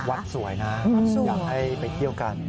วัดสวยนะอยากให้ไปเที่ยวกัน